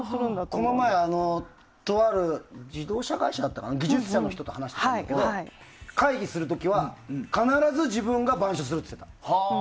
この前、とある自動車会社の技術者の人と話したんだけど会議する時は、必ず自分が板書するって言ってた。